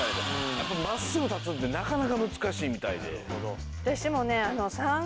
やっぱり真っすぐ立つってなかなか難しいみたいで。